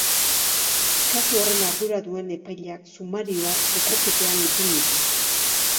Kasu horren ardura duen epaileak sumarioa sekretupean ipini du.